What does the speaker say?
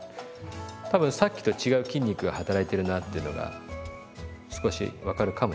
多分さっきと違う筋肉が働いてるなっていうのが少し分かるかもしれない。